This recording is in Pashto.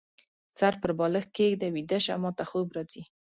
سر په بالښت کيږده ، ويده شه ، ماته خوب راځي